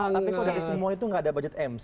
tapi kok dari semua itu nggak ada budget m